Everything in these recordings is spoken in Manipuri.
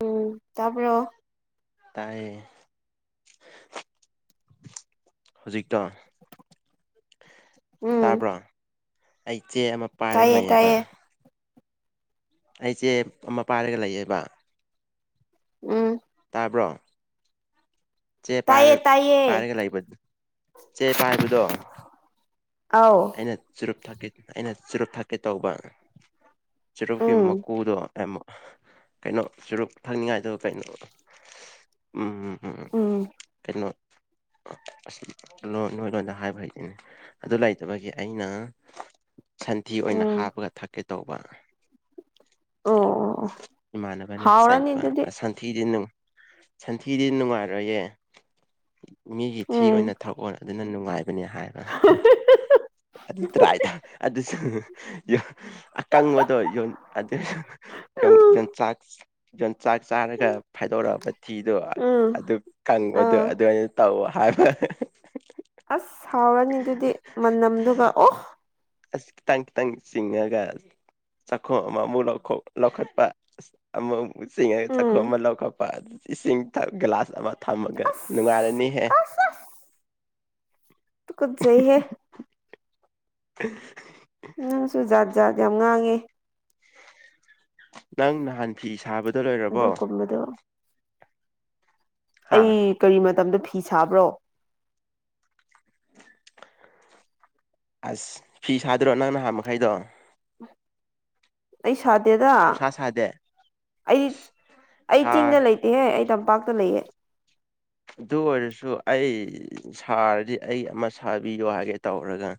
ꯎꯝ ꯇꯥꯕ꯭ꯔꯣ ꯇꯥꯏ ꯍꯧꯖꯤꯛ ꯇꯣ ꯎꯝ ꯇꯥꯕ꯭ꯔꯣ ꯑꯩ ꯆꯦ ꯑꯃ ꯄꯥꯏꯔꯒ ꯇꯥꯏꯌꯦ ꯂꯩꯌꯦꯕ ꯇꯥꯏꯌꯦ ꯑꯩꯁꯦ ꯑꯃ ꯄꯥꯏꯔꯒ ꯂꯩꯌꯦꯕ ꯎꯝ ꯍꯥꯏꯕ꯭ꯔꯣ ꯆꯦ ꯄꯥꯏꯔ ꯇꯥꯏꯌꯦ ꯇꯥꯏꯌꯦ ꯄꯥꯏꯔꯒ ꯂꯩꯕ ꯆꯦ ꯄꯥꯏꯕꯗꯣ ꯑꯥꯎ ꯑꯩꯅ ꯆꯨꯔꯨꯞ ꯊꯛꯀꯦ ꯑꯩꯅ ꯆꯨꯔꯨꯞ ꯊꯛꯀꯦ ꯇꯧꯕ ꯆꯔꯛꯀꯤ ꯎꯝ ꯃꯀꯨꯗꯣ ꯇꯥꯢꯃꯣ ꯀꯩꯅꯣ ꯁꯨꯔꯨꯞ ꯊꯪꯅꯤꯡꯉꯥꯏꯗ ꯀꯩꯅꯣ ꯎꯝ ꯎꯝ ꯀꯩꯅꯣ ꯑꯁ ꯂꯣ ꯅꯣꯏ ꯂꯣꯟꯗ ꯍꯥꯏꯕ ꯍꯩꯇꯅꯦ ꯑꯗꯨ ꯂꯩꯣꯌꯝ ꯑꯗꯨꯒꯤ ꯑꯩꯅ ꯁꯟꯊꯤ ꯑꯣꯏꯅ ꯎꯝ ꯍꯥꯞꯄꯒ ꯊꯛꯀꯦ ꯇꯧꯕ ꯑꯣ ꯑꯣ ꯑꯣ ꯏꯃꯥꯟꯅꯕꯅ ꯍꯥꯎꯔꯅꯤ ꯆꯩꯕ ꯑꯗꯨꯗꯤ ꯑ ꯁꯥꯟꯊꯤꯗꯤ ꯅꯨꯡ ꯁꯟꯊꯤꯗꯤ ꯅꯨꯡꯉꯥꯏꯔꯣꯏꯌꯦ ꯃꯤꯒꯤ ꯊꯤ ꯎꯝ ꯑꯣꯏꯅ ꯊꯛꯑꯣ ꯑꯗꯨꯅ ꯅꯨꯡꯉꯥꯏ ꯕꯅꯤ ꯍꯥꯏꯅ ꯑꯗꯨ ꯇ꯭ꯔꯥꯢ ꯊꯥ ꯑꯗꯨ ꯌꯣ ꯑꯀꯪꯕꯗꯣ ꯌꯣ ꯑꯗ ꯌꯣ ꯌꯟꯆꯥꯛ ꯆꯥꯛ ꯆꯥꯔꯒ ꯐꯥꯏꯗꯣꯔꯛꯑꯕꯊꯤꯗꯣ ꯎꯝ ꯑꯗꯨ ꯀꯪꯕꯗꯣ ꯑꯥ ꯑꯗꯨ ꯑꯩꯅ ꯇꯧꯋ ꯍꯥꯏ ꯐ ꯑꯁ ꯍꯥꯎꯔꯅꯤ ꯑꯗꯨꯗꯤ ꯃꯅꯝꯗꯨꯒ ꯑꯣ ꯑꯁ ꯈꯤꯇꯪ ꯈꯤꯇꯪꯗꯤ ꯆꯤꯡꯑꯒ ꯆꯈꯣ ꯑꯃ ꯑꯃꯨ ꯂꯧꯈꯣ ꯂꯈꯠꯄꯥ ꯑꯃ ꯑꯃꯨꯛ ꯆꯁꯤꯡ ꯍꯦꯛ ꯆꯈꯣ ꯎꯝ ꯑꯃ ꯂꯧꯈꯠꯄ ꯏꯁꯤꯡ ꯊꯛ ꯒ꯭ꯂꯥꯁ ꯑꯃ ꯊꯝꯃꯒ ꯑꯁ ꯑꯁ ꯅꯨꯡꯉꯥꯏꯔꯅꯤꯍꯦ ꯇꯨ ꯀꯠ ꯆꯩ ꯍꯦ [inaudible] ꯅꯪꯁꯨ ꯖꯥꯠ ꯖꯥꯠ ꯌꯥꯝ ꯉꯥꯡꯉꯦ ꯅꯪ ꯅꯍꯥꯟ ꯐꯤ ꯁꯥꯕꯗꯣ ꯂꯣꯏꯔꯕꯣ ꯑꯗꯨꯒꯨꯝꯕꯗꯣ ꯍꯥ ꯑꯩ ꯀꯔꯤ ꯃꯇꯝꯗ ꯐꯤ ꯁꯥꯕ꯭ꯔꯣ ꯑꯁ ꯐꯤ ꯁꯥꯗꯔꯣ ꯅꯪ ꯅꯍꯥꯟ ꯃꯈꯩꯗꯣ ꯑꯩꯁ ꯁꯥꯗꯦꯗ ꯁꯨꯡꯁꯥ ꯁꯥꯗꯦ ꯑꯩꯗꯤ ꯑꯩ ꯆꯤꯡꯗ ꯁꯥꯔ ꯂꯩꯇꯦꯍꯦ ꯑꯩ ꯇꯝꯄꯥꯛ ꯇ ꯂꯩꯌꯦ ꯑꯗꯨ ꯑꯣꯏꯔꯁꯨ ꯑꯩ ꯁꯥꯔꯗꯤ ꯑꯩ ꯑꯃ ꯁꯥꯕꯤꯌꯣ ꯍꯥꯏꯒꯦ ꯇꯧꯔꯒ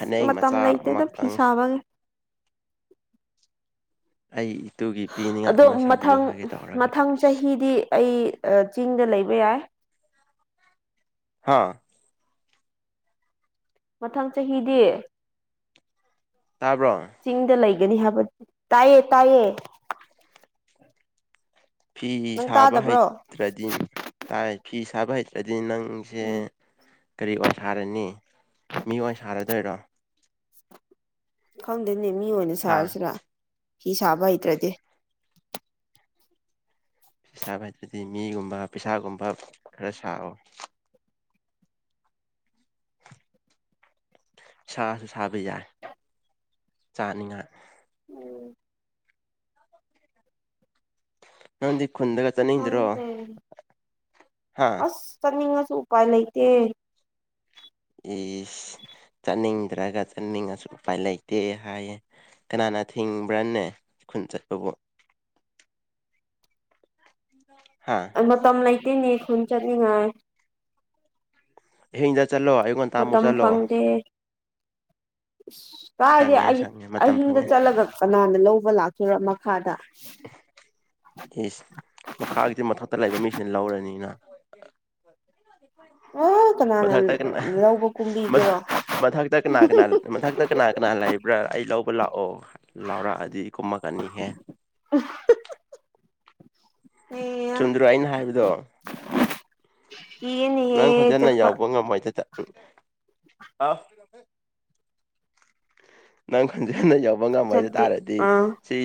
ꯑꯁ ꯃꯇꯝ ꯃꯆꯥ ꯂꯩꯇꯦꯗ ꯐꯤ ꯑꯃꯈꯛꯇꯪ ꯁꯥꯕꯒꯤ ꯑꯩ ꯏꯇꯨꯒꯤ ꯄꯤꯅꯤꯡꯉꯥꯏ ꯑꯗꯣ ꯑꯃ ꯁꯥꯕꯤꯌꯨ ꯃꯊꯪ ꯍꯥꯏꯒꯦ ꯇꯧꯔꯒꯦ ꯃꯊꯪ ꯆꯍꯤꯗꯤ ꯑꯩ ꯑ ꯆꯤꯡꯗ ꯂꯩꯕ ꯌꯥꯏ ꯍꯥꯥ ꯃꯊꯪ ꯆꯍꯤꯗꯤ ꯇꯥꯕ꯭ꯔꯣ ꯅꯤ ꯍꯥꯏꯕ ꯇꯥꯢꯌꯦ ꯇꯥꯢꯌꯦ ꯐꯤ ꯁꯥꯕ ꯇꯥꯗꯕ꯭ꯔꯣ ꯍꯩꯇ꯭ꯔꯗꯤ ꯇꯥꯏ ꯐꯤ ꯁꯥꯕ ꯍꯩꯇ꯭ꯔꯗꯤ ꯅꯪ ꯁꯦ ꯎꯝ ꯀꯔꯤ ꯑꯣꯏꯅ ꯁꯥꯔꯅꯤ ꯃꯤ ꯑꯣꯏꯅ ꯁꯥꯔꯗꯣꯏꯔꯣ ꯈꯪꯗꯦꯅꯦ ꯃꯤ ꯑꯣꯏꯅ ꯍꯥ ꯁꯥꯔꯁꯤꯔ ꯐꯤ ꯁꯥꯕ ꯍꯩꯇ꯭ꯔꯗꯤ ꯐꯤ ꯁꯥꯕ ꯍꯩꯇꯗꯤ ꯃꯤꯒꯨꯝꯕ ꯄꯩꯁꯥꯒꯨꯝꯕ ꯈꯔ ꯁꯥꯋꯣ ꯁꯥꯁꯨ ꯁꯥꯕ ꯌꯥꯏ ꯆꯥꯅꯤꯡꯉꯥꯏ ꯎꯝ ꯅꯪꯗꯤ ꯈꯨꯟꯗꯒ ꯆꯠꯅꯤꯡꯗ꯭ꯔꯣ ꯈꯪꯗꯦ ꯍꯥ ꯁꯨ ꯎꯄꯥꯏ ꯂꯩꯇꯦ ꯏꯁ ꯆꯠꯅꯤꯡꯗ꯭ꯔꯒ ꯆꯠꯅꯤꯡꯉꯁꯨ ꯎꯄꯥꯏ ꯂꯩꯇꯦ ꯍꯥꯏꯌꯦ ꯀꯅꯥꯅ ꯊꯤꯡꯕ꯭ꯔꯅꯦ ꯈꯨꯟ ꯆꯠꯄꯕꯨ [inaudible] ꯍꯥ ꯃꯇꯝ ꯂꯩꯇꯦꯅꯦ ꯈꯨꯟ ꯆꯠꯅꯤꯡꯉꯥꯏ ꯑꯍꯤꯡꯗ ꯆꯠꯂꯣ ꯑꯌꯨꯛꯉꯟꯇꯥ ꯃꯨꯛ ꯃꯇꯝ ꯆꯠꯂꯣ ꯑꯁ ꯀꯥꯏꯗꯩ ꯁꯪꯉꯦ ꯑꯩ ꯁꯪꯉꯦ ꯃꯇꯝ ꯑꯍꯤꯡꯗ ꯐꯪꯉꯦ ꯆꯠꯂꯒ ꯀꯅꯥꯅ ꯂꯧꯕ ꯂꯥꯛꯇꯣꯏꯔ ꯃꯈꯥꯗ ꯏꯁ ꯃꯈꯥꯒꯤꯗꯤ ꯃꯊꯛꯇ ꯂꯩꯕ ꯃꯤꯁꯤꯅ ꯂꯧꯔꯅꯤꯅ ꯑ ꯀꯅꯥꯅ ꯂꯧꯕ ꯃꯊ ꯀꯨꯝꯕꯤꯒꯦꯔꯣ ꯃꯊꯛꯇ ꯀꯅꯥ ꯀꯅꯥ ꯃꯊꯛꯇ ꯀꯅꯥ ꯀꯅꯥ ꯂꯩꯏꯕ꯭ꯔꯥ ꯑꯩ ꯂꯧ ꯄꯨ ꯂꯥꯛꯑꯣ ꯂꯥꯎꯔꯛꯑꯗꯤ ꯀꯨꯝꯃꯛꯀꯅꯤꯍꯦ [unintelligible] ꯆꯨꯟꯗ꯭ꯔꯣ ꯑꯩꯅ ꯍꯥꯏꯕꯗꯣ ꯅꯪ ꯀꯤꯌꯦꯅꯦꯍꯦ ꯈꯣꯟꯖꯦꯟꯗꯣ ꯆꯠꯄ ꯌꯧꯕ ꯉꯝꯃꯣꯏꯗꯨꯗ ꯑ ꯍꯥꯎ ꯅꯪ ꯈꯣꯟꯖꯦꯜꯗꯣ ꯌꯧꯕ ꯉꯝꯃꯣꯏꯗ ꯆꯠꯇꯦ ꯇꯥꯔꯗꯤ ꯑꯥ ꯁꯤ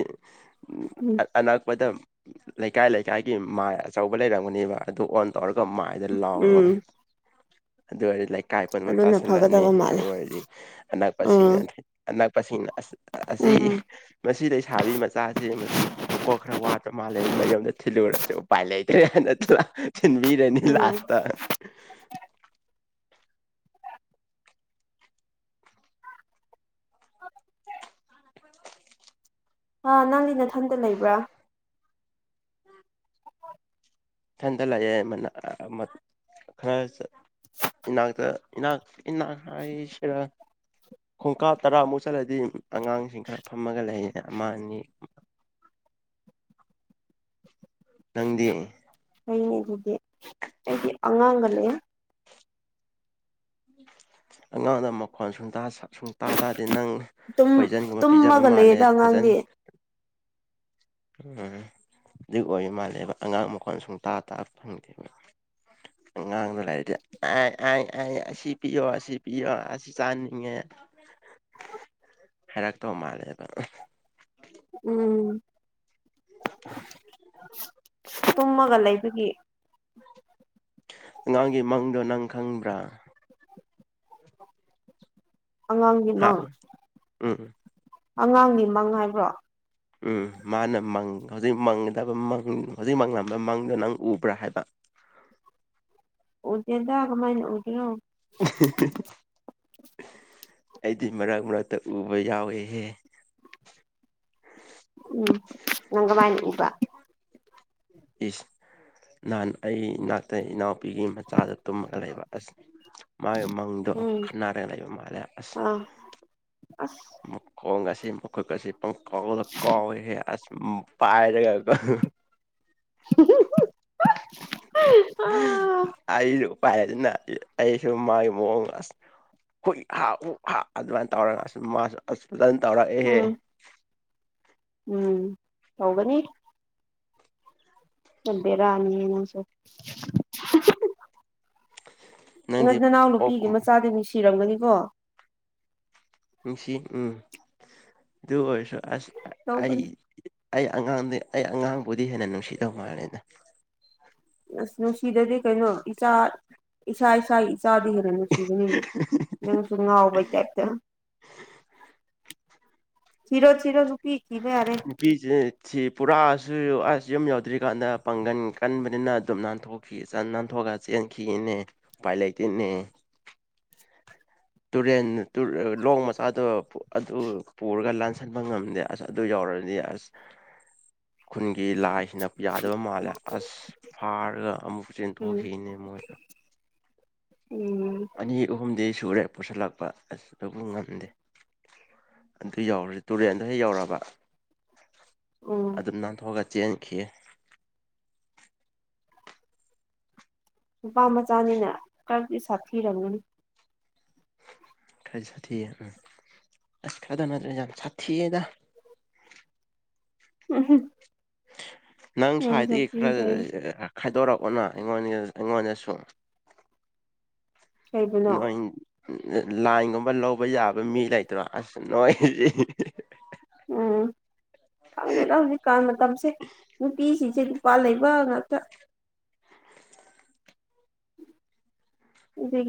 ꯎꯝ ꯑꯅꯛꯄꯗ ꯂꯩꯀꯥꯏ ꯂꯩꯀꯥꯏꯒꯤ ꯃꯥꯏ ꯑꯆꯧꯕ ꯂꯩꯔꯝꯒꯅꯦꯕ ꯑꯗꯨ ꯑꯣꯟ ꯇꯧꯔꯒ ꯃꯥꯏꯗ ꯂꯥꯎꯔꯣ ꯎꯝ ꯑꯗꯨ ꯑꯣꯏꯔꯗꯤ ꯂꯩ ꯏꯀꯥꯏꯄꯨꯟꯕ ꯑꯗꯨꯅ ꯇꯁꯤꯜꯂꯛꯑꯅꯤ ꯐꯒꯗꯕ ꯃꯥꯜꯂꯦ ꯑꯗꯨ ꯑꯣꯏꯔꯗꯤ ꯑꯅꯛꯄꯁꯤꯡꯅ ꯎꯝ ꯑꯅꯛꯄꯁꯤꯡꯅ ꯑꯁꯤ ꯎꯝ ꯃꯁꯤ ꯂꯩꯁꯥꯕꯤ ꯃꯆꯥꯁꯦ ꯃꯀꯣꯛ ꯈꯔ ꯋꯥꯠ ꯈ꯭ꯔ ꯃꯥꯜꯂꯦ ꯃꯌꯨꯝꯗ ꯊꯤꯜꯂꯨꯔꯁꯦ ꯎꯄꯥꯏ ꯂꯩꯇ꯭ꯔꯦ ꯅꯠꯇꯅ ꯊꯤꯟꯕꯤꯔꯅꯤ ꯎꯝ ꯂꯥꯁꯇ ꯑ ꯅꯪꯗꯤ ꯅꯊꯟꯇ ꯂꯩꯕ꯭ꯔꯥ ꯊꯟꯗ ꯂꯩꯑꯦ ꯃꯅ ꯈꯔ ꯆꯠ ꯏꯅꯥꯛꯇ ꯏꯅꯥ ꯏꯅꯥ ꯍꯥꯏ ꯁꯤꯔ ꯈꯣꯡꯀꯥꯞ ꯇꯔꯥꯃꯨꯛ ꯆꯠꯂꯗꯤ ꯑꯉꯥꯡꯁꯤꯡ ꯈꯔ ꯐꯝꯃꯒ ꯂꯩꯌꯦ ꯑꯃ ꯑꯅꯤ ꯅꯪꯗꯤ ꯑꯩꯅꯦ ꯑꯗꯨꯗꯤ ꯑꯩꯗꯤ ꯑꯉꯥꯡꯕꯅꯦ ꯑꯉꯥꯡꯗ ꯃꯈꯣꯟ ꯁꯨꯡꯇꯥ ꯁꯨꯡꯇꯥ ꯇꯥꯗꯦ ꯅꯪ ꯇꯨꯝ ꯄꯣꯏꯖꯟꯒꯨꯝꯕ ꯄꯤꯖꯕ ꯇꯨꯝꯃꯒ ꯂꯩꯌꯦꯗ ꯃꯥꯜꯂꯦ ꯑꯉꯥꯡꯗꯤ ꯐꯖꯟ ꯎꯝ ꯑꯗꯨ ꯑꯣꯏ ꯃꯥꯜꯂꯦꯕ ꯑꯉꯥꯡ ꯃꯈꯣꯟ ꯁꯨꯡꯇꯥ ꯇꯥ ꯐꯪꯗꯦꯕ ꯑꯉꯥꯡ ꯂꯩꯔꯗꯤ ꯑ ꯑ ꯑ ꯁꯤ ꯄꯤꯌꯣ ꯁꯤ ꯄꯤꯌꯣ ꯑꯁꯤ ꯆꯥꯅꯤꯡꯉꯦ ꯍꯔꯥꯛꯇꯣ ꯃꯥꯂꯦꯕ ꯎꯝ ꯇꯨꯝꯃꯒ ꯂꯩꯕꯒꯤ ꯑꯉꯥꯡꯒꯤ ꯃꯪꯗꯣ ꯅꯪ ꯈꯪꯕ꯭ꯔꯥ ꯑꯉꯥꯡꯒꯤ ꯍꯥ ꯃꯪ ꯎꯝ ꯑꯉꯥꯡꯒꯤ ꯃꯪ ꯍꯥꯏꯕ꯭ꯔꯣ ꯎꯝ ꯃꯥꯅ ꯃꯪ ꯍꯧꯖꯤꯛ ꯃꯪꯒꯗꯕ ꯃꯪ ꯍꯧꯖꯤꯛ ꯃꯪꯂꯝꯕ ꯃꯪꯗꯣ ꯅꯪ ꯎꯕ꯭ꯔꯥ ꯍꯥꯏꯕ ꯎꯗꯦꯗ ꯀꯃꯥꯏꯅ ꯎꯒꯦꯔꯣ [inaudible] ꯑꯩꯗꯤ ꯃꯔꯛ ꯃꯔꯛꯇ ꯎꯕ ꯌꯥꯎꯋꯦꯍꯦ ꯎꯝ ꯅꯪ ꯀꯃꯥꯥꯏꯅ ꯎꯕ ꯏꯁ ꯅꯍꯥꯟ ꯑꯩ ꯏꯅꯥꯛꯇ ꯏꯅꯥꯎꯄꯤꯒꯤ ꯃꯆꯥꯗ ꯇꯨꯝꯃꯒ ꯂꯩꯕ ꯑꯁ ꯃꯥꯒꯤ ꯃꯪꯗꯣ ꯎꯝ ꯈꯟꯅꯔꯒ ꯂꯩꯕ ꯃꯥꯜꯂꯦ ꯑꯁ ꯑꯥ ꯑꯁ ꯃꯈꯣꯡ ꯒꯥꯁꯤ ꯃꯈꯨꯠ ꯀꯁꯤ ꯄꯪ ꯀꯥꯎꯗ ꯀꯥꯎꯏꯍꯦ ꯑꯁ ꯄꯥꯏꯔꯒ ꯑꯩꯁꯨ ꯄꯥꯏꯔꯦꯗꯅ ꯑꯩꯁꯨ ꯃꯥꯒꯤ ꯃꯑꯣꯡꯗ ꯑꯁ ꯍꯨꯏ ꯍꯥ ꯍꯨꯛ ꯍꯥ ꯑꯗꯨꯃꯥꯏꯅ ꯇꯧꯔꯒ ꯃꯥꯁꯨ ꯑꯁ ꯐꯖꯟ ꯇꯧꯔꯛꯑꯦꯍꯦ ꯎꯝ ꯎꯝ ꯇꯧꯒꯅꯤ ꯐ ꯕꯦꯔꯥꯅꯤꯍꯦ ꯅꯪꯁꯨ ꯅ ꯅꯪꯗꯤ ꯅꯅꯥꯎ ꯅꯨꯄꯤꯒꯤ ꯑꯣꯛꯀꯨꯝ ꯃꯆꯥꯗꯤ ꯅꯨꯡꯁꯤꯔꯝꯒꯅꯤꯀꯣ ꯅꯨꯡꯁꯤ ꯎꯝ ꯑꯗꯨ ꯑꯣꯏꯔꯁꯨ ꯑꯁ ꯑꯩ ꯇꯧꯕꯅꯤ ꯑꯩ ꯑꯉꯥꯡꯗꯤ ꯑꯩ ꯑꯉꯥꯡꯕꯨꯗꯤ ꯍꯦꯟꯅ ꯅꯨꯡꯁꯤꯗꯧ ꯃꯥꯂꯦꯗ ꯑꯁ ꯅꯨꯡꯁꯤꯗꯗꯤ ꯀꯩꯅꯣ ꯏꯆꯥ ꯏꯁꯥ ꯏꯁꯥꯒꯤ ꯆꯥꯗꯤ ꯀꯥꯅꯅ ꯅꯨꯡꯁꯤꯒꯅꯤ ꯅꯪꯁꯨ ꯉꯥꯎꯕꯩ ꯇꯥꯏꯞꯇ ꯊꯤꯔꯣ ꯊꯤꯔꯣ ꯅꯨꯄꯤ ꯊꯤꯕ ꯌꯥꯔꯦ ꯄꯁꯤꯖꯦ ꯊꯤ ꯄꯨꯔꯥꯁꯨ ꯑꯁ ꯌꯨꯝ ꯌꯧꯗ꯭ꯔꯤꯀꯥꯟꯗ ꯄꯥꯡꯒꯟ ꯀꯟꯕꯅꯤꯅ ꯑꯗꯨꯝ ꯅꯥꯟꯊꯣꯛꯈꯤ ꯅꯥꯟꯊꯣꯛꯑꯒ ꯆꯦꯟꯈꯤꯅꯦ ꯄꯥꯏ ꯂꯩꯇꯦꯅꯦ ꯇꯨꯔꯦꯟ ꯂꯣꯛ ꯃꯆꯥꯗꯣ ꯑꯗꯨ ꯄꯨꯔꯒ ꯂꯥꯟꯁꯟꯕ ꯉꯝꯗꯦ ꯑꯁ ꯑꯗꯨ ꯌꯥꯎ ꯑꯁ ꯈꯨꯟꯒꯤ ꯂꯥꯏ ꯅ ꯌꯥꯗꯕ ꯃꯥꯜꯂꯦ ꯑꯁ ꯐꯥꯔꯒ ꯑꯃꯨꯛ ꯎꯝ ꯆꯦꯟꯊꯣꯛꯈꯤꯅꯦ ꯃꯣꯏꯗ ꯎꯝ ꯑꯅꯤ ꯑꯍꯨꯝꯗꯤ ꯁꯨꯔꯦ ꯄꯨꯁꯜꯂꯛꯄ ꯑꯁ ꯑꯗꯨꯕꯨ ꯉꯝꯗꯦ ꯑꯗꯨ ꯌꯧꯔꯗꯤ ꯇꯨꯔꯦꯟꯗ ꯍꯦꯛ ꯌꯧꯔꯕ ꯎꯝ ꯑꯗꯨꯝ ꯅꯥꯟꯊꯣꯛꯑꯒ ꯆꯦꯟꯈꯤ ꯅꯨꯄꯥ ꯃꯆꯥꯅꯤꯅ ꯈꯔꯗꯤ ꯁꯥꯊꯤꯔꯝꯒꯅꯤ ꯈꯔ ꯁꯥꯊꯤꯌꯦ ꯎꯝ ꯑꯁ ꯈꯔꯗ ꯅꯠꯇ꯭ꯔꯦ ꯌꯥꯝ ꯁꯥꯊꯤꯌꯦꯗ ꯎꯝ ꯍꯝ ꯅꯪ ꯁ꯭ꯋꯥꯏꯗꯒꯤ ꯈꯔ ꯑ ꯈꯥꯏꯗꯣꯔꯛꯑꯣꯅ ꯑꯩꯉꯣꯟ ꯑꯩꯉꯣꯟꯗꯁꯨ ꯀꯩꯕꯨꯅꯣ ꯅꯣꯢ ꯂ ꯂꯥꯏꯟꯒꯨꯝꯕ ꯂꯧꯕ ꯌꯥꯕ ꯃꯤ ꯂꯩꯇ꯭ꯔꯣ ꯑꯁ ꯅꯣꯏ ꯎꯝ ꯈꯪꯗꯦꯗ ꯍꯧꯖꯤꯛꯀꯥꯟ ꯃꯇꯝꯁꯦ ꯅꯨꯄꯤꯁꯤꯡꯁꯦ ꯄꯥ ꯂꯩꯕ ꯉꯥꯛꯇ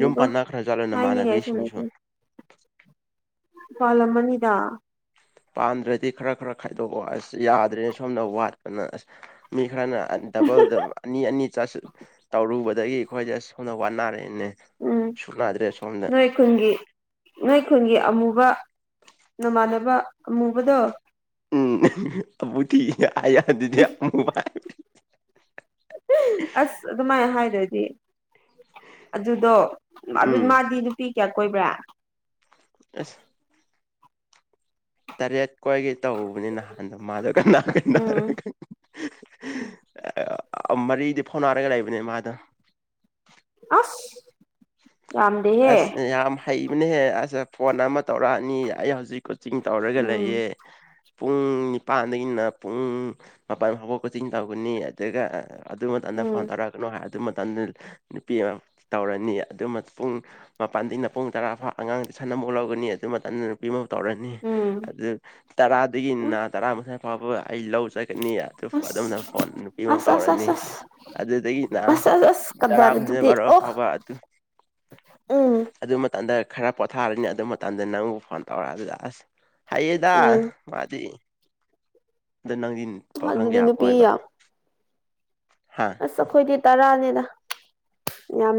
ꯌꯨꯝ ꯄꯥꯟꯅꯈ꯭ꯔꯖꯥꯠꯂꯣ ꯍꯥꯢꯅꯤꯡꯉꯥꯢꯁꯨ ꯅꯃꯥꯟꯅꯕꯤꯁꯤꯡꯁꯨ ꯂꯩꯇꯦ ꯄꯥꯂꯝꯃꯅꯤꯗ ꯄꯥꯟꯗ꯭ꯔꯗꯤ ꯈ꯭ꯔ ꯈ꯭ꯔ ꯈꯥꯏꯗꯣꯛꯑꯣ ꯑꯁ ꯌꯥꯗ꯭ꯔꯦ ꯁꯣꯝꯗ ꯋꯥꯠꯄꯅ ꯑꯁ ꯃꯤ ꯈꯔꯅ ꯑ ꯗꯕꯜꯗ ꯑꯅꯤ ꯑꯅꯤ ꯆꯥꯁꯜ ꯇꯧꯔꯨꯕꯗꯒꯤ ꯑꯩꯈꯣꯏꯁꯦ ꯑꯁ ꯁꯣꯝꯗ ꯋꯥꯅꯔꯦ ꯎꯝ ꯅꯣꯏ ꯈꯨꯟꯒꯤ ꯅꯣꯏ ꯈꯨꯟꯒꯤ ꯑꯃꯨꯕ ꯅꯃꯥꯟꯅꯕ ꯑꯃꯨꯕꯗꯣ ꯎꯝ [unintelligible] ꯑꯃꯨꯗꯤꯒ ꯍꯥꯏꯔꯛ ꯑꯗꯨꯗꯤ ꯑꯃꯨ [unintelligible] [unintelligible] ꯑꯁ ꯑꯗꯨꯃꯥꯏ ꯍꯥꯏꯗ꯭ꯔꯗꯤ ꯑꯗꯨꯗꯣ ꯑꯗꯨ ꯎꯝ ꯃꯥꯗꯤ ꯅꯨꯄꯤ ꯀ꯭ꯌꯥ ꯀꯣꯏꯕ꯭ꯔꯥ ꯑꯁ ꯇꯔꯦꯠ ꯀꯣꯏꯒꯦ ꯇꯧꯕꯧꯅꯤ ꯅꯍꯥꯟꯗꯣ ꯃꯥꯗꯣ ꯀꯅꯥ ꯀꯅꯥꯔ ꯎꯝ ꯈꯪ [unintelligible] ꯃꯔꯤꯗꯤ ꯐꯥꯎꯅꯔꯒ ꯂꯩꯕꯅꯦ ꯃꯥꯗꯣ ꯑꯁ ꯌꯥꯝꯗꯦꯍꯦ ꯑꯁ ꯌꯥꯝ ꯍꯩꯕꯅꯦ ꯑꯁ ꯐꯣꯟ ꯑꯃ ꯇꯧꯔꯛꯑꯅꯤ ꯑꯩ ꯍꯧꯖꯤꯛ ꯀꯣꯆꯤꯡ ꯇꯧꯔꯒ ꯎꯝ ꯂꯩꯌꯦ ꯄꯨꯡ ꯅꯤꯄꯥꯟꯗꯒꯤꯅ ꯄꯨꯡ ꯃꯥꯄꯜ ꯐꯥꯎꯕ ꯀꯣꯆꯤꯡ ꯇꯧꯒꯅꯤ ꯑꯗꯨꯒ ꯑꯗꯨ ꯃꯇꯝꯗ ꯐꯣꯟ ꯎꯝ ꯇꯧꯔꯛꯒꯅꯨ ꯍꯥꯏ ꯑꯗꯨ ꯃꯇꯝꯗ ꯅꯨꯄꯤ ꯑꯃ ꯇꯧꯔꯅꯤ ꯑꯗꯨ ꯄꯨꯡ ꯃꯄꯥꯟꯗꯩꯅ ꯄꯨꯡ ꯇꯔꯥ ꯐꯥꯎ ꯑꯉꯥꯡ ꯇꯨꯢꯁꯟ ꯑꯃꯨꯛ ꯂꯧꯒꯅꯤ ꯑꯗꯨ ꯃꯇꯝꯗ ꯅꯨꯄꯤ ꯑꯃꯨ ꯇꯧꯔꯅꯤ ꯎꯝ ꯑꯗꯨ ꯎꯝ ꯇꯔꯥꯗꯒꯤꯅ ꯇꯔꯥ ꯃꯊꯣꯢ ꯐꯥꯎꯕ ꯑꯩ ꯂꯧ ꯆꯠꯀꯅꯤ ꯑꯗꯨ ꯑꯗꯨꯝꯅ ꯑꯁ ꯐꯣꯟ ꯅꯨꯄꯤ ꯑꯃ ꯑꯁ ꯇꯧꯔꯅꯤ ꯑꯁ ꯑꯁ ꯑꯁ ꯑꯗꯨꯗꯒꯤꯅ ꯑꯁ ꯑꯁ ꯑꯁ ꯀꯗꯔ ꯇꯔꯥꯝꯊꯣꯏ ꯑꯗꯨꯗꯤ ꯕꯥꯔꯣ ꯑꯣ ꯐꯥꯎꯕ ꯑꯗꯨꯝ ꯎꯝ ꯑꯗꯨ ꯃꯇꯝꯗ ꯈꯔ ꯄꯣꯊꯥꯔꯅꯤ ꯑꯗꯨ ꯃꯇꯝꯗ ꯅꯪꯕꯨ ꯐꯣꯟ ꯇꯧꯔꯛꯑ ꯗꯨꯗ ꯑꯁ ꯍꯩꯌꯦꯗ ꯎꯝ ꯃꯥꯗꯤ ꯗ ꯅꯪꯗꯤ ꯄꯥꯈꯪ ꯑꯗꯨꯗꯤ ꯀꯌꯥ ꯅꯨꯄꯤ ꯀꯣꯢꯕ꯭ꯔ ꯌꯥꯝ ꯑꯁ ꯑꯈꯣꯏꯗꯤ ꯇꯔꯥꯅꯦꯗ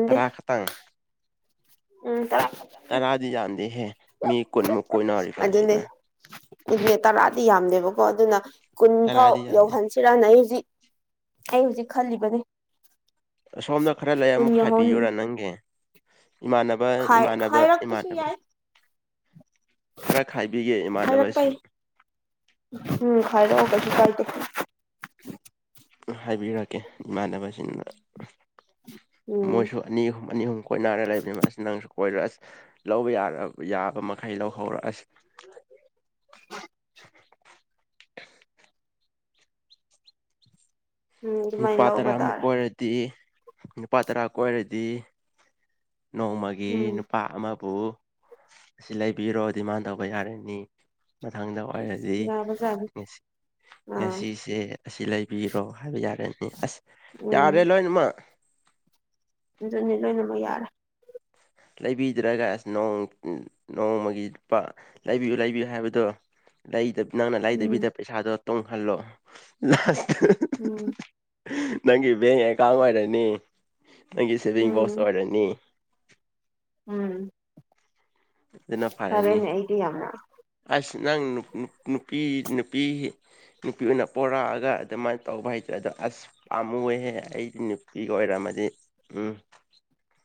ꯇꯔꯥ ꯈꯛꯇꯪ ꯎꯝ ꯇꯔꯥ ꯇꯔꯥꯗꯤ ꯌꯥꯥꯝꯗꯦꯍꯦ ꯃꯤ ꯀꯨꯟꯃꯨꯛ ꯀꯣꯏꯅꯔꯤꯀꯥꯟꯁꯤꯗ ꯗꯨꯅꯦ ꯇꯔꯥꯗꯤ ꯌꯥꯝꯗꯦꯕꯀꯣ ꯑꯗꯨꯅ ꯀꯨꯟ ꯐꯥꯎ ꯇꯔꯥꯗꯤ ꯌꯥꯝꯗꯦ ꯌꯧꯍꯟꯁꯤꯔꯅ ꯑꯩ ꯍꯨꯖꯤꯛ ꯑꯩ ꯍꯨꯖꯤꯛ ꯈꯜꯂꯤꯕꯅꯦ ꯑꯁꯣꯝꯅ ꯈ꯭ꯔ ꯂꯩ ꯀꯨꯟ ꯑꯃꯨꯛ ꯌꯧꯍꯟ ꯈꯥꯏꯕꯤꯌꯨꯔ ꯅꯪꯒꯤ ꯏꯃꯥꯟꯅꯕ ꯈꯥꯏ ꯏꯃꯥꯟꯅꯕ ꯏꯃꯥꯟꯅꯕ ꯈꯔ ꯈꯥꯏꯕꯤꯒꯦ ꯈꯔ ꯄꯩ ꯏꯃꯥꯟꯅꯕꯁꯤꯡ ꯎꯝ ꯍꯥꯢꯔꯛꯑꯣ ꯀꯩꯁꯨ ꯀꯥꯏꯗꯦ ꯍꯥꯏꯕꯤꯔꯛꯀꯦ ꯏꯃꯥꯟꯅꯕꯁꯤꯡꯗ ꯎꯝ ꯃꯣꯏꯁꯨ ꯑꯅꯤ ꯑꯍꯨ ꯑꯅꯤ ꯑꯍꯨꯝ ꯀꯣꯏꯅꯔ ꯂꯩꯕꯅꯤ ꯑꯁ ꯅꯪꯁꯨ ꯀꯣꯏꯔꯣ ꯑꯁ ꯂꯧꯕ ꯌꯥ ꯌꯥꯕ ꯃꯈꯩ ꯂꯧꯍꯧꯔꯣ ꯑꯁ [inaudible] ꯎꯝ ꯑꯗꯨꯃꯥꯏꯅ ꯅꯨꯄꯥ ꯂꯧꯕ ꯇꯔꯥꯃꯨꯛ ꯇꯥꯔꯦ ꯀꯣꯏꯔꯗꯤ ꯅꯨꯄꯥ ꯇꯔꯥ ꯀꯣꯏꯔꯗꯤ ꯅꯣꯡꯃꯒꯤ ꯎꯝ ꯅꯨꯄꯥ ꯑꯃ ꯕꯨꯕꯨ ꯑꯁꯤ ꯂꯩꯕꯤꯔꯣ ꯗꯤꯃꯥꯟ ꯇꯧꯕ ꯌꯥꯔꯅꯤ ꯃꯊꯪꯗ ꯑꯣꯏꯔꯗꯤ ꯌꯥꯕꯖꯥꯠꯅꯤ ꯉꯁꯤ ꯑꯥ ꯉꯁꯤꯁꯦ ꯑꯁꯤ ꯂꯩꯕꯤꯔꯣ ꯍꯥꯏꯕ ꯌꯥꯔꯅꯤ ꯑꯁ ꯌꯥꯔꯦ ꯂꯣꯏꯅꯃꯛ ꯑꯗꯨꯅꯦ ꯂꯣꯏꯅꯃꯛ ꯌꯥꯔꯦ ꯂꯩꯕꯤꯗ꯭ꯔꯒ ꯑꯁ ꯅꯣꯡ ꯅꯣꯡꯃꯒꯤ ꯂꯨꯄ ꯂꯩꯕꯤꯌꯨ ꯂꯩꯕꯤꯌꯨ ꯍꯥꯏꯕꯗꯣ ꯂꯩꯗ ꯅꯪꯅ ꯎꯝ ꯂꯩꯗꯕꯤꯗ ꯄꯩꯁꯥꯗꯣ ꯇꯣꯡꯍꯜꯂꯣ ꯅꯥꯁ ꯎꯝ ꯅꯪꯒꯤ ꯕꯦꯡ ꯑꯦꯀꯥꯎꯟ ꯑꯣꯏꯔꯅꯤ ꯅꯪꯒꯤ ꯁꯦꯚꯤꯡ ꯕꯣꯛꯁ ꯎꯝ ꯑꯣꯏꯔꯅꯤ ꯎꯝ ꯑꯗꯨꯅ ꯐꯔꯅꯤ ꯐꯔꯦꯅꯦ ꯑꯩꯗꯤ ꯌꯥꯝꯅ ꯑꯁ ꯅꯪ ꯅꯨ ꯅꯨ ꯅꯨꯄꯤ ꯅꯨꯄꯤ ꯅꯨꯄꯤ ꯑꯣꯏꯅ ꯄꯣꯔꯛꯑꯒ ꯑꯗꯨꯃꯥꯏ ꯇꯧꯕ ꯍꯥꯏꯇ꯭ꯔ ꯗ ꯑꯁ ꯄꯥꯝꯃꯨꯋꯦꯍꯦ ꯑꯩꯒꯤ ꯅꯨꯄꯤ ꯑꯣꯏꯔꯝꯃꯗꯤ ꯎꯝ [inaudible]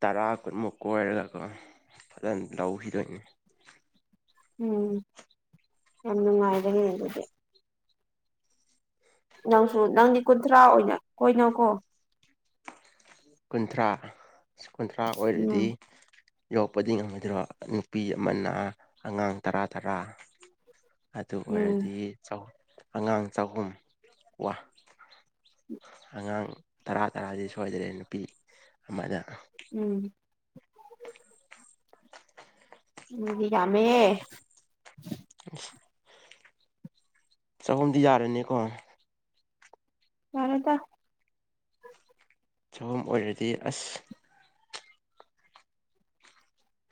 ꯇꯔꯥ ꯀꯨꯟꯃꯨꯛ ꯀꯣꯏꯔꯒꯀꯣ ꯐꯖꯟ ꯂꯧꯈꯤꯗꯣꯏꯅꯤ ꯎꯝ ꯌꯥꯝ ꯅꯨꯡꯉꯥꯏꯕꯅꯦ ꯑꯗꯨꯗꯤ ꯅꯪꯁꯨ ꯅꯪꯗꯤ ꯀꯨꯟꯊ꯭ꯔꯥ ꯑꯣꯏꯅ ꯀꯣꯏꯅꯧꯀꯣ ꯀꯨꯟꯊ꯭ꯔꯥ ꯑꯁ ꯀꯨꯟꯊ꯭ꯔꯥ ꯑꯣꯏꯔꯗꯤ ꯎꯝ ꯌꯧꯛꯄꯗꯤ ꯉꯝꯃꯣꯏꯗ꯭ꯔꯣ ꯅꯨꯄꯤ ꯑꯃꯅ ꯑꯉꯥꯡ ꯇꯔꯥ ꯇꯔꯥ ꯑꯗꯨ ꯎꯝ ꯑꯣꯏꯔꯗꯤ ꯑꯉꯥꯡ ꯆꯍꯨꯝ ꯋꯥ ꯑꯉꯥꯡ ꯇꯔꯥ ꯇꯔꯥꯗꯤ ꯁꯣꯏꯗ꯭ꯔꯦ ꯅꯨꯄꯤ ꯑꯃꯗ ꯎꯝ ꯎꯝ ꯌꯥꯃꯦ [inaudible] ꯆꯍꯨꯝꯗꯤ ꯌꯥꯔꯦꯅꯦꯀꯣ ꯌꯥꯔꯣꯏꯗ ꯆꯥꯍꯨꯝ ꯑꯣꯏꯔꯗꯤ ꯑꯁ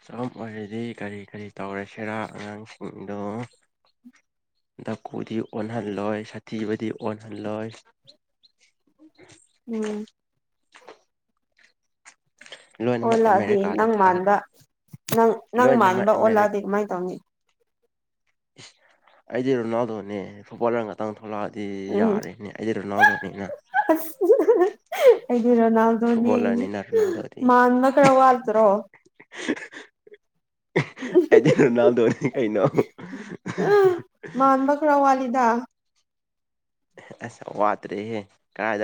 ꯆꯍꯨꯝ ꯑꯣꯏꯔꯗꯤ ꯀꯔꯤ ꯀꯔꯤ ꯇꯧꯔꯁꯤꯔꯥ ꯑꯉꯥꯡꯁꯤꯡꯗꯣ ꯗꯀꯨꯗꯤ ꯑꯣꯟꯍꯜꯂꯣꯏ ꯁꯥꯊꯤꯕꯗꯤ ꯑꯣꯟꯍꯜꯂꯣꯏ [inaudible] ꯎꯝ ꯂꯣꯏꯅꯃꯛ ꯑꯣꯜꯂꯛꯑꯗꯤ ꯑꯃꯦꯔꯤꯀꯥꯗ ꯅꯪ ꯊꯥ ꯃꯥꯟꯕ ꯅꯪ ꯅꯪ ꯂꯣꯏꯅꯃꯛ ꯃꯥꯟꯕ ꯑꯃꯦꯔꯤꯀꯥ ꯑꯣꯜꯂꯛꯑꯗꯤ ꯀꯃꯥꯏ ꯇꯧꯅꯤ ꯑꯩꯗꯤ ꯔꯣꯅꯥꯜꯗꯣꯅꯦ ꯐꯨꯠꯕꯣꯂꯔ ꯉꯇꯥꯡꯗꯨ ꯃꯥꯗꯤ ꯎꯝ ꯌꯥꯔꯦꯅꯦ ꯑꯩ ꯔꯅꯥꯜꯗꯣꯅꯤ ꯀ ꯑꯁ [unintelligible] ꯑꯩꯗꯤ ꯔꯣꯅꯥꯜꯗꯣꯅꯦꯌꯦ ꯐꯨꯠꯕꯣꯂꯔꯅꯤꯅ ꯔꯣꯅꯥꯜꯗꯣꯗꯤ ꯃꯥꯟꯅꯗ꯭ꯔ ꯋꯥꯠꯇ꯭ꯔꯣ [unintelligible] ꯑꯩꯗꯤ ꯔꯣꯅꯥꯜꯗꯣꯅꯤ ꯀꯩꯅꯣ [unintelligible] ꯃꯥꯟꯕ ꯈꯔ ꯋꯥꯠꯂꯤꯗ ꯑꯦꯍꯦ ꯑꯁ ꯋꯥꯠꯇ꯭ꯔꯦꯍꯦ ꯀꯔꯥꯏꯗ